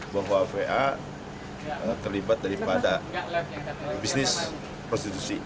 bahwa va terlibat daripada bisnis prostitusi